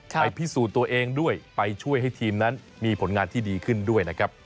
ไปพิสูจน์ตัวเองด้วยไปช่วยให้ทีมนั้นมีผลงานที่ดีขึ้นด้วยนะครับ